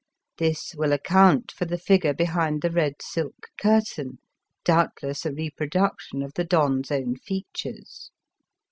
This will account for the figure behind the red silk curtain, doubtless a reproduc tion of the Don's own features.